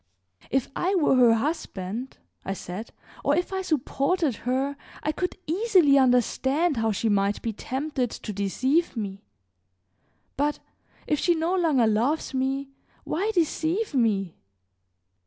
"If I were her husband," I said, "or if I supported her I could easily understand how she might be tempted to deceive me; but if she no longer loves me, why deceive me?"